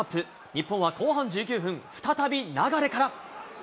日本は後半１９分、再び流から。